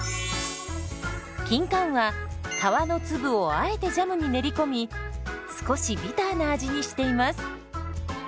キンカンは皮の粒をあえてジャムに練り込み少しビターな味にしています。